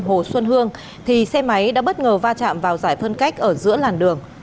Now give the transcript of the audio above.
hồ xuân hương thì xe máy đã bất ngờ va chạm vào giải phân cách ở giữa làn đường